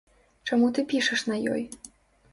Чаму ты пішаш на ёй?